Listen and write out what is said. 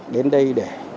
đến đây để